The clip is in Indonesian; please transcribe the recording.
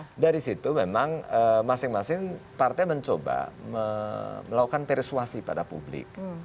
nah dari situ memang masing masing partai mencoba melakukan persuasi pada publik